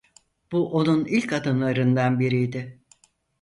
Bu onun ilk adımlarından biriydi.